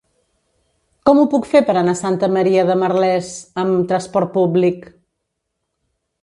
Com ho puc fer per anar a Santa Maria de Merlès amb trasport públic?